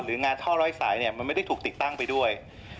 หรืองานท่อร้อยสายมันไม่ได้ถูกติดตั้งไปด้วย